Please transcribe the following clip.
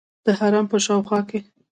د حرم په شاوخوا کې.